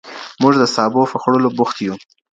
موږ د سابو په خوړلو بوخت یو.